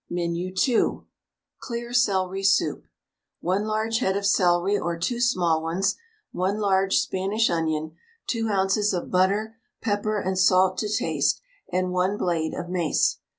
MENU II. CLEAR CELERY SOUP. 1 large head of celery or 2 small ones, 1 large Spanish onion, 2 oz. of butter, pepper and salt to taste, and 1 blade of mace.